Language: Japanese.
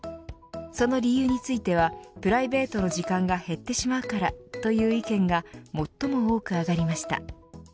その理由についてはプライベートの時間が減ってしまうからという意見が最も多く挙がりました。